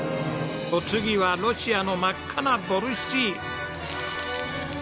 お次はロシアの真っ赤なボルシチ。